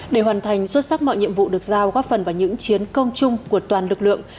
để hoàn thành xuất sắc mọi nhiệm vụ được giao góp phần vào những chiến công chung của toàn lực lượng